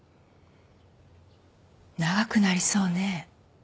長くなりそうね。